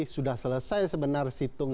sudah selesai sebenarnya situng